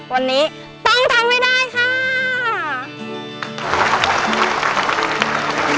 วันนี้ต้องทำให้ได้ค่ะ